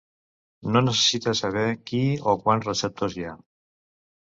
No necessita saber qui o quants receptors hi ha.